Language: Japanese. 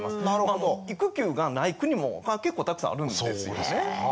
育休がない国も結構たくさんあるんですよね。